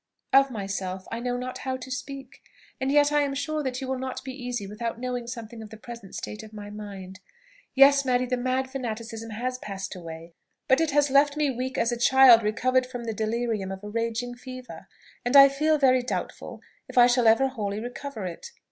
"Of myself I know not how to speak; and yet I am sure that you will not be easy without knowing something of the present state of my mind. "Yes, Mary, the mad fanaticism has passed away; but it has left me weak as a child recovered from the delirium of a raging fever; and I feel very doubtful if I shall ever wholly recover it.